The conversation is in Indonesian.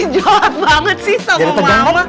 johan banget sih sama mama